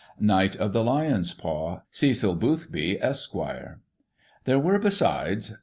Knight of the Lion's Paw, CECIL BOOTHBY, ESQ. There were, besides.